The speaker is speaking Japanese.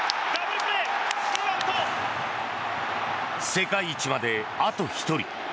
世界一まであと１人。